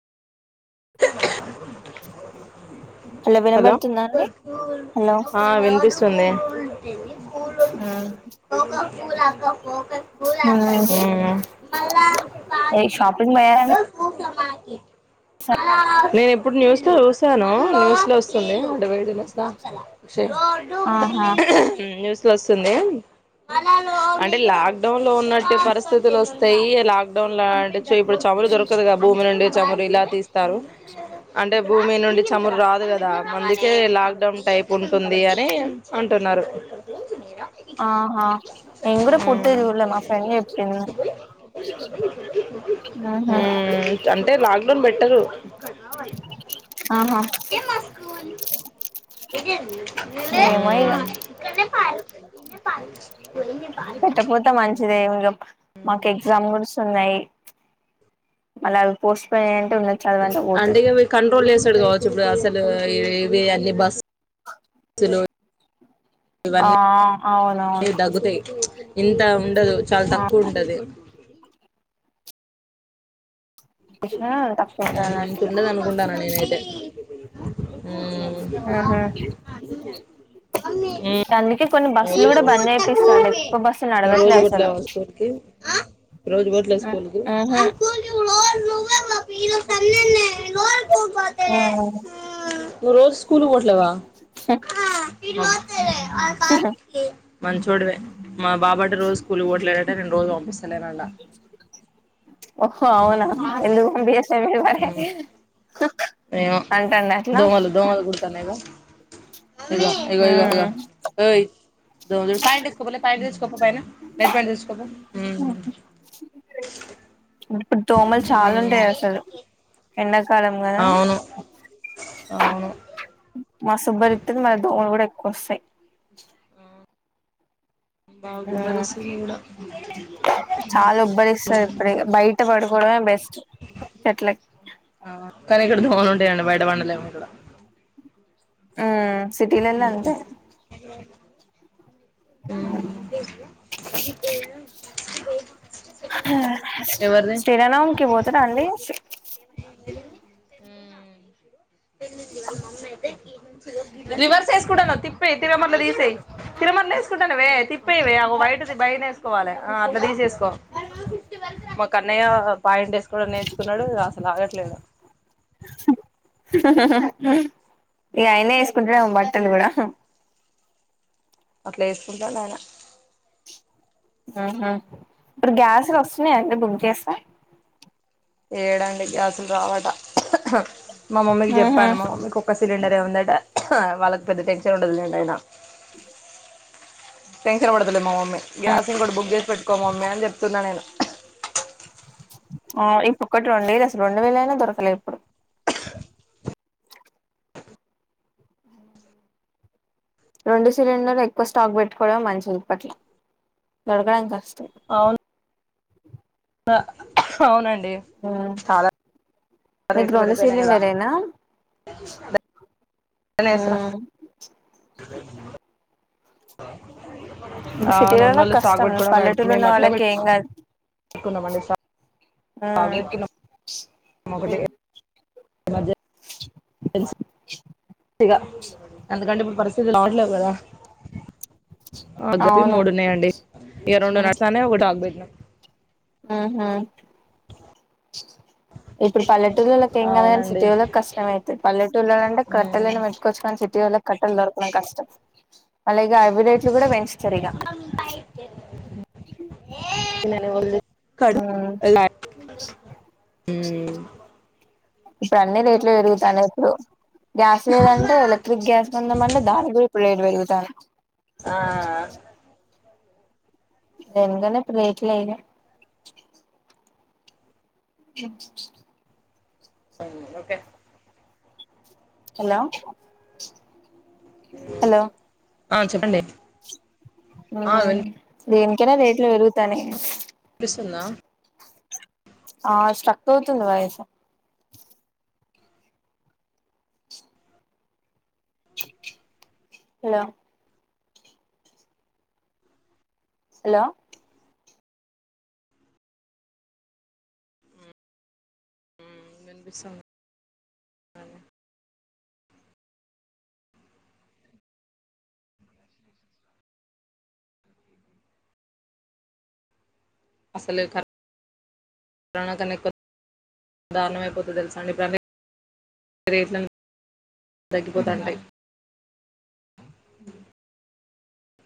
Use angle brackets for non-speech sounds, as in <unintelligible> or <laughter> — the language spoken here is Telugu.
హలో వినబడుతుందా అండి హలో ఆ వినిపిస్తుంది మ్మ్ హూమ్ ఆ వోయ్ షాపింగ్ లో <unintelligible> నేను ఇప్పుడు న్యూస్ లో చూశాను న్యూస్ లో వస్తుంది ఆడవీడు లో ఆహా ఊమ్ న్యూస్ లో వస్ తుందా అంటే లాక్ డౌన్ లో ఉన్నట్టు పరిస్థితులు వస్తాయి లాక్ డౌన్ అలాంటి చే ఇప్పుడు చమురు దొరకుదు గా భూమి నుండి చమురు ఇలా తారు అంటే భూమి నుండి చమురు రాదు గదా అందుకే లాక్ డౌన్ టైపు ఉంటుంది అని అంట్ టున్నారు ఆహా నేను గూడ పూర్తిగా చూడలే. మా ఫ్రెండ్ చెప్పింది ఆహా హూమ్ అంటే లాక్ డౌన్ బెట్టరు. కయి ఆహా ఇదే మా స్క ఇదే ఏమో ఇగా త ప పెట్టకపోతే మంచిదే ఇంగ మాకు ఎగ్జామ్ గూడ తున్నాయి మళ్ళా ఆళ్ళు పోస్ట్ పోన్ అయినై అంటే ఇగ మీరు కంట్రోల్ చేస్ స్తాడు కావచ్చు ఇప్పుడు అసలు ఇవ్ ఇవే అన్నీ బస్సులు ఆ ఇవన్నీ అవునవును దగ్గుతాయి. ఇంత ఉండదు చాలా ఆహా తక్కువ ఉంటది. తక్కువ ఉంటది హుమ్ అన్నట్టుగా ఇంతుండదు అనుకుంటాన్నా నేనైతే హూమ్ ఉహు మ్మ్ అందుకే కొన్ని బస్సులు కూడా బంద్ నువ్వు చేపిస్తాండు ఎక్కువ బస్సులు నడవట్లే రోజు అసలు పోట్లేదా స్కూల్ కి రోజు పోట్లేదా స్కూల్ కి ఉహు మీరు పన్నన్న లోోల్పోపో నువ్వు రోజు స్కూల్ పోట్లేదా ఫరు మతే కా మంచోడివే మా బాబట రోజు స్కూలు కి పోట్లేదట నేను రోజు పంపిస్ స్త లేదంటా ఓహో అవునా ఎందుకు పంపిస్తలేవ్ మరి ఏమో అంటాండ అట్లా దోమలు దోమలు కుడతాన్నై గా ఇదిగో ఇగో ఇగో ఇగో ఉమ్ ఓయ్ ఇదో దో ప్యాంట్ విప్పుకో లే ప్యాంట్ తెచ్చుకో పో పైన నైట్ ప్యాంట్ తెచ్చుకో పో ఇప్పుడు దోమలు చాలా ఉంటాయి అసలు ఎన్ అవును అవును మస్త్ ఉబ్బదీత్తుంది మళ్ళీ దోమలు గూడ ఎక్కువ వస్తాయి. బాగా ఉమ్ ఉబ్బదీస్తుంది ఈడ చాలా ఉబ్బదీస్తది ఇప్పుడిగా బయట పడుకోవడమే బెస్ట్ <unintelligible> కానీ ఇక్కడ దోమలుంటాయండి బయట పండలేము ఇక్కడ ఆ సిటీలల్లో అంతే ఊమ్ ఎవరిది శ్రీరామనవమికి పోతున్నారా అండి తె ఇ వాళ్ళ మమ్మీ అయితేంచ రివర్స్ వేసుకుంటాన్నావ్ తిప్పేయి తిరగమట్ల తీసేయి తిరగమట్ల వేసుకుంటాన్నావే తిప్ విప్పేవే అగో వైట్ ది బైనేసుకోవలే ఆ అట్లా తీసేసుకో మా కన్నయ్య పాయింట్ ఏసుకోవడం నేర్చుకున్నాడు అసలు ఆగట్లేడు ఇగ ఆయన్నే ఎసుకుంటాడేమో బట్టలు కూడా అట్లేసుకుంటాడు ఆయన హ్మ్ హు ఇప్పుడు గ్యాస్లు వస్తున్నాయండి బుక్ చేస్తే ఏడండి గ్యాసులు రావట మా మమ్మీకి ఉహు చెప్పాను మా మమ్మీకి ఒక సిలిండర్ దే ఉందట వాళ్లకి పెద్ద టెన్షన్ ఉండదులెండి అయినా టెన్షన్ పడుదులే మా మమ్మీ గ్యాస్ ఇంకోటి బుక్ చేసి పెట్టుకో మమ్మీ అని చెప్తున్నా నేను ఆ ఇప్పుడు ఒక్కటి రెండువేలు అసలు రెండువేలు అయినా దొరకలే ఇప్పుడు రెండు సిలిండర్ ఎక్కువ స్టాక్ పెట్టుకోవడమే మంచిది ఇపట్ల దొరకడం కష్టం అవు న అవునండి ఉమ్ చాలా మీకు రేట్లు రెండు పెరిగిపోయినాయి కదా సీలిండరేనా హ్మ్ జ ఇప్పుడు ఆ సిటీలలోకి నొన్నోళ్ళు స్టాక్ కష్టం పెట్టుకోవడానికి రెడీ పల్లెటూరు ఉన్న మేము అట్లే పె వాళ్ళకి ఏం కాదు ట్టుకున్నామండి స ఉహ్మ్ ఈమధ్య హెన్స్ ఇగ అంతకంటే ఇప్పుడు పరిస్థితులు అవట్లేదు కదా ఆగపి అవును మూడున్నాయండి ఇగ రెండు నడస్తాన్నయ్ ఒకటి ఆగబేట్నం హ్మ్ ఊహ్మ్ ఇప్పుడు పల్లేటూర్లలోకి ఏం కాదు కానీ అవునండి సిటీ ఒళ్ళకి కష్టం అయితది పలేటూర్లో అంటే కట్టేలు అయినా పెట్టుకొచ్చు కాని సి టీ ఓళ్లకి కట్టెలు దొరకడం కష్టం వల్లిగా అవి రేట్లు కూడా పెంచుతారు ఇగ ఎవళ్ది హ్మ్ ఇప్పుడు అన్ని రేట్లు పెరుగుతానయ్ ఇప్పుడు గ్యాస్ లేదంటే ఎలక్ట్రిక్ గ్యాస్ కొందాం అంటే దానికి కూడా ఇప్పుడు రేటు పెరుగుతానయ్ ఆఆహ దేనికన్నా ఇప్పుడు రేట్లు అయినా హ్మ్ ఉహ్మ్ ఓకే హలో హలో ఆ చెప్పండి ఆ ఊహ్మ్ దేనికైనా రేట్లు పెరుగుతానయ్ సున్నా ఆ స్ట్రక్ అవుతుంది వాయిసు హలో హలో వినిపిసుం అనే అసలే క రొణ కన్న ఎక్కువ దారుణం అయిపోతుంది తెలుసాంండి గన్నే రేట్లన్ని తగ్గిపోతానాయ్ అ